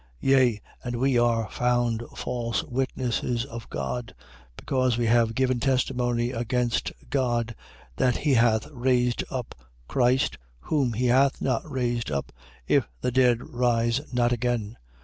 15:15. Yea, and we are found false witnesses of God: because we have given testimony against God, that he hath raised up Christ, whom he hath not raised up, if the dead rise not again.